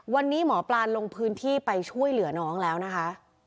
วันนี้หมอปลาลงพื้นที่ไปช่วยเหลือน้องแล้วนะคะ